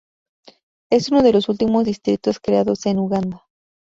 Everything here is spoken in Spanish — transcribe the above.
Es uno de los últimos distritos creados en Uganda.